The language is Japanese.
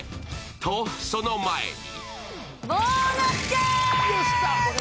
と、その前に。